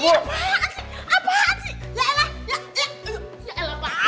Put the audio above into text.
itu kan nyokap yang meheli